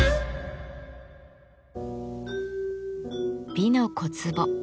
「美の小壺」